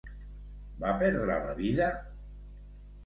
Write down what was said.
Va perdre la vida?